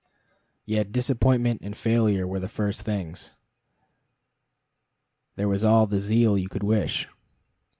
Yet disappointment and failure were the first things. There was all the zeal you could wish.